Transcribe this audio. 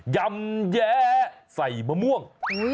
ยำแย้ใส่มะม่วง